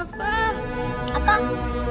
buruan cepet bentar